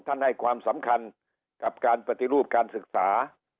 ให้ความสำคัญกับการปฏิรูปการศึกษา